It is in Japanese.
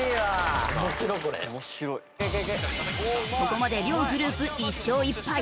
ここまで両グループ１勝１敗。